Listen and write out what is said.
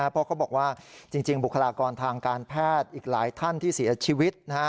เพราะเขาบอกว่าจริงบุคลากรทางการแพทย์อีกหลายท่านที่เสียชีวิต